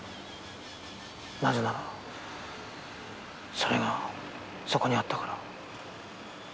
なぜならそれがそこにあったから。